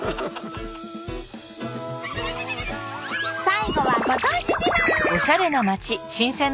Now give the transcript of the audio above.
最後はご当地自慢。